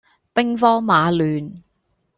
兵荒馬亂